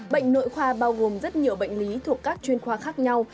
bệnh nội khoa bao gồm rất nhiều bệnh lý thuộc các chuyên khoa khác nhau